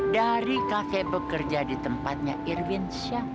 dari kakek bekerja di tempatnya irwin syah